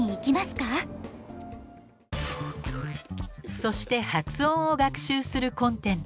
そして発音を学習するコンテンツ。